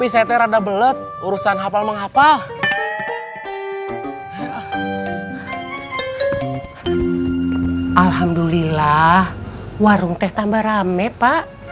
sobe memastikan malam apa problemsnya pak